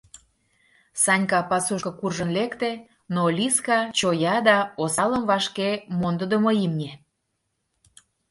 Санька пасушко куржын лекте, но Лиска чоя да осалым вашке мондыдымо имне.